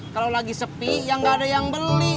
kalau lagi sepi ya nggak ada yang beli